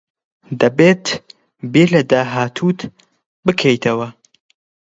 دەبێت بیر لە داهاتووت بکەیتەوە.